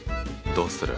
どうする？